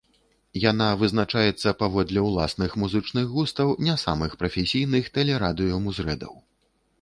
Яна вызначаецца паводле ўласных музычных густаў не самых прафесійных тэле-радыё музрэдаў.